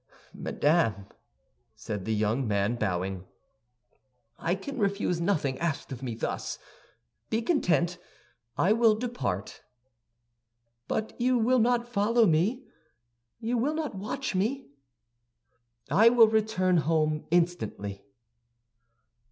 "Madame," said the young man, bowing; "I can refuse nothing asked of me thus. Be content; I will depart." "But you will not follow me; you will not watch me?" "I will return home instantly."